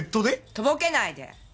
とぼけないで！